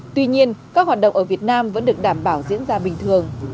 tuy nhiên các hoạt động ở việt nam vẫn được đảm bảo diễn ra bình thường